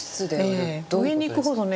上に行くほどね